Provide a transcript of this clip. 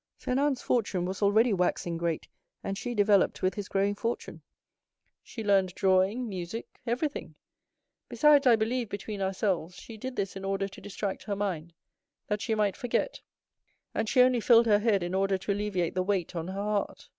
Fernand's fortune was already waxing great, and she developed with his growing fortune. She learned drawing, music—everything. Besides, I believe, between ourselves, she did this in order to distract her mind, that she might forget; and she only filled her head in order to alleviate the weight on her heart.